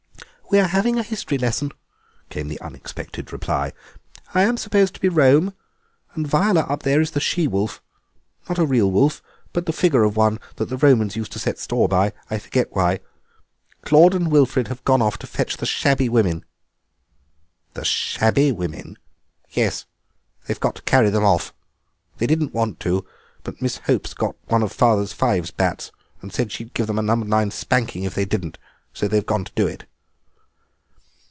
"We are having a history lesson," came the unexpected reply. "I am supposed to be Rome, and Viola up there is the she wolf; not a real wolf, but the figure of one that the Romans used to set store by—I forget why. Claude and Wilfrid have gone to fetch the shabby women." "The shabby women?" "Yes, they've got to carry them off. They didn't want to, but Miss Hope got one of father's fives bats and said she'd give them a number nine spanking if they didn't, so they've gone to do it."